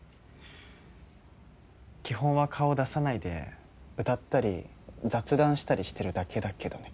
基本は顔出さないで歌ったり雑談したりしてるだけだけどね。